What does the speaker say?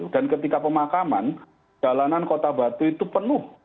dan ketika pemakaman jalanan kota batu itu penuh